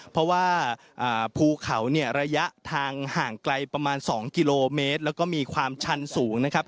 ภูเขาระยะทางห่างไกล๒กิโลเมตรและมีความชันสูง